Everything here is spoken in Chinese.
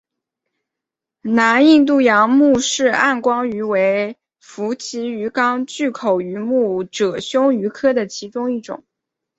南印度洋穆氏暗光鱼为辐鳍鱼纲巨口鱼目褶胸鱼科的其中一种。